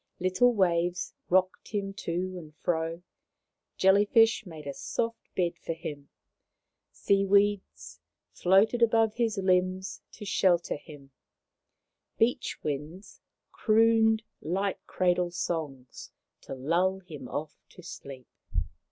Little waves rocked him to and fro, jelly fish made a soft bed for him, sea weeds floated above his limbs to shel ter him, beach winds crooned light cradle songs to lull him off to sleep.